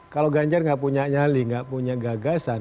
kalau ganjar gak punya nyali gak punya gagasan